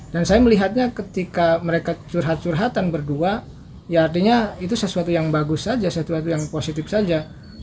dan saya melihatnya ketika mereka curhat curhatan berdua ya artinya itu sesuatu yang bagus saja sesuatu yang positif saja